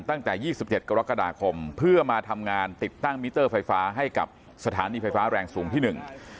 ตั้งแต่ยี่สิบเจ็ดกรกฎาคมเพื่อมาทำงานติดตั้งมิเตอร์ไฟฟ้าให้กับสถานีไฟฟ้าแรงสูงที่หนึ่ง